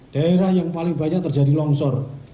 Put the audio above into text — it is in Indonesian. daerah yang paling banyak terjadi longsor